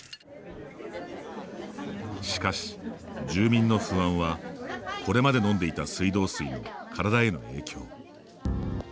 しかし住民の不安は、これまで飲んでいた水道水の体への影響。